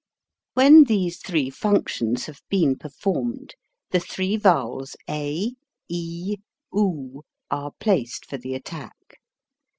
When these three functions have been per formed, the three vowels a, e, oo are placed for the attack.